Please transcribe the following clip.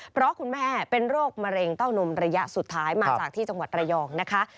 เพราะคุณแม่เป็นโรคมะเร็งเต้านมระยะสุดท้ายมาจากที่จังหวัดระยองนะคะ